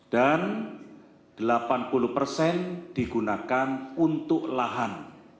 dan delapan puluh persen digunakan untuk lahan